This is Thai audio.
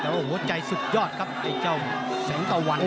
โอ้โหใจสุดยอดครับไอ้เจ้าเสงตะวัน